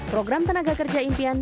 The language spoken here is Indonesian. program tenaga kerja impian